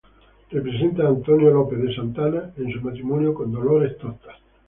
Representa a Antonio López de Santa Anna en su matrimonio con Dolores Tosta.